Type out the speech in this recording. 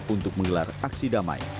untuk mengelar aksi damai